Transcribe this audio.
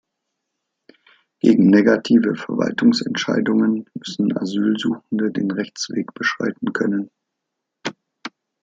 Gegen negative Verwaltungsentscheidungen müssen Asylsuchende den Rechtsweg beschreiten können.